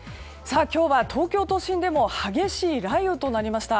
今日は東京都心でも激しい雷雨となりました。